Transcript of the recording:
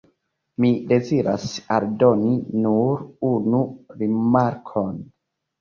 Mi deziras aldoni nur unu rimarkon.